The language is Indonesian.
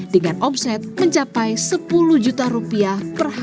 dengan omset mencapai sepuluh juta rupiah